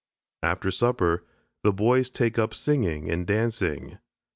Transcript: After supper the boys take up singing and dancing.